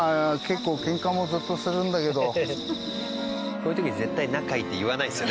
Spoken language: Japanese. こういう時絶対仲いいって言わないですよね